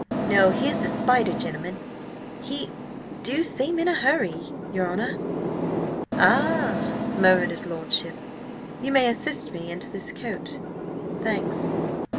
No, here's the spider gentleman! He do seem in a hurry, your honour!" "Ah!" murmured his lordship. "You may assist me into this coat. Thanks."